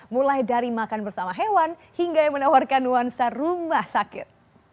mulai dari makan bersama hewan hingga yang menawarkan nuansa rumah sakit